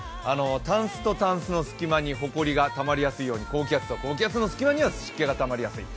タンスとタンスの隙間にほこりがせたまりやすいように、高気圧と高気圧の隙間には湿気が発生しやすい。